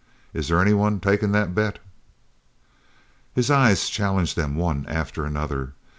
Is there any one takin' that bet?" His eyes challenged them one after another.